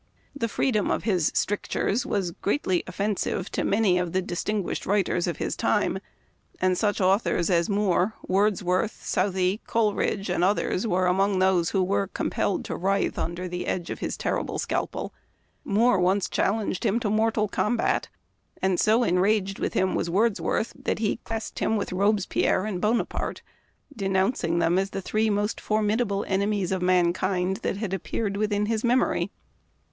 The freedom of his strictures was greatly offensive to many of the distinguished writers of his time, and such authors as Moore, Wordsworth, Southey, Coleridge, and others were among those who were compelled to writhe under the edge of his terrible scalpel. Moore once challenged him to mortal combat ; and so enraged with him was Wordsworth that he classed him with Robespierre and Bonaparte, de nouncing them as the three most formidable enemies of mankind that had appeared within his memory.